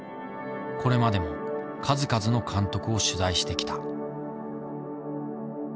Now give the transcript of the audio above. これまでも数々の監督を取材してきた。